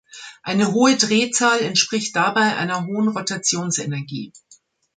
Eine hohe Drehzahl entspricht dabei einer hohen Rotationsenergie.